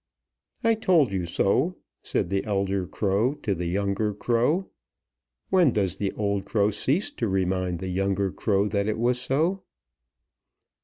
"I told you so," said the elder crow to the younger crow. When does the old crow cease to remind the younger crow that it was so?